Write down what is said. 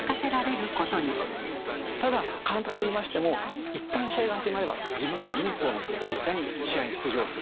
ただ監督と言いましても一旦試合が始まれば自分もユニフォームを着て実際に試合に出場する。